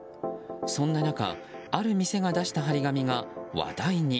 そんな中、ある店が出した貼り紙が話題に。